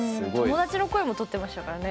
友達の声もとってましたからね。